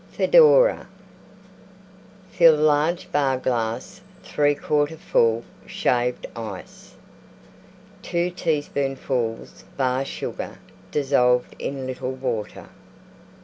FEDORA Fill large Bar glass 3/4 full Shaved Ice. 2 teaspoonfuls Bar Sugar dissolved in little Water.